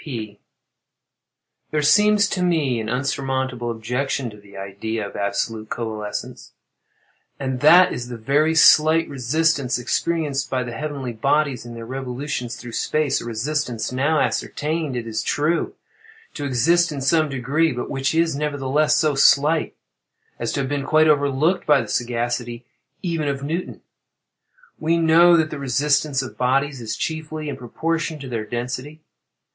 P. There seems to me an insurmountable objection to the idea of absolute coalescence;—and that is the very slight resistance experienced by the heavenly bodies in their revolutions through space—a resistance now ascertained, it is true, to exist in some degree, but which is, nevertheless, so slight as to have been quite overlooked by the sagacity even of Newton. We know that the resistance of bodies is, chiefly, in proportion to their density.